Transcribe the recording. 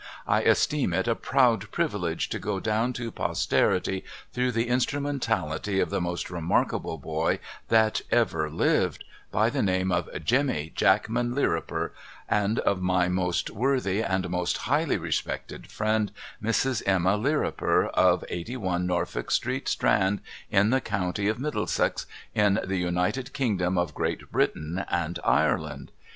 I esteem it a proud privilege to go down to posterity through the instrumentality of the most remarkable boy that ever lived, — by the name of Jemmy Jackman Lirriper, — and of my most worthy and most highly respected friend, Mrs. Emma Lirriper, of Eighty one, Norfolk Street, Strand, in the County of Middlesex, in the United Kingdom of Great Britain and Ireland.